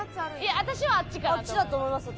私はあっちかなと思いますよ。